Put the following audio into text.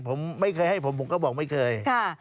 ผมไม่เคยให้ผมผมก็บอกไม่เคย